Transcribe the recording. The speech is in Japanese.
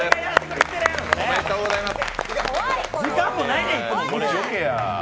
おめでとうございます。